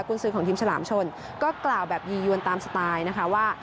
คุณซื้อของทีมฉลามชนก็กล่าวแบบยียวนตามสไตล์นะคะว่า